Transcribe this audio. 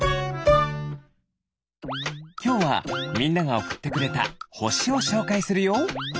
きょうはみんながおくってくれたほしをしょうかいするよ。